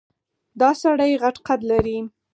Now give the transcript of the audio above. دا سړی غټ قد لري.